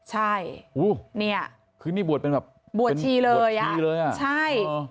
หรืออุ๊คือนี่บวชเป็นแบบเป็นบวชชีเลยอ่ะใช่